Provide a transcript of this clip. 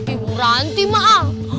ibu ranti mah